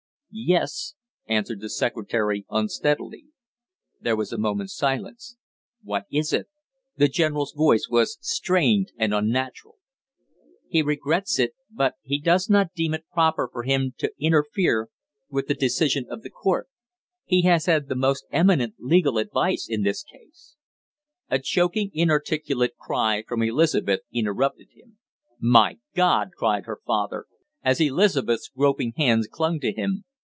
"Yes," answered the secretary unsteadily. There was a moment's silence. "What is it?" The general's voice was strained and unnatural. "He regrets it, but he does not deem it proper for him to interfere with the decision of the court. He has had the most eminent legal advice in this case " A choking inarticulate cry from Elizabeth interrupted him. "My God!" cried her father, as Elizabeth's groping hands clung to him.